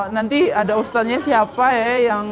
nanti ada ustadznya siapa ya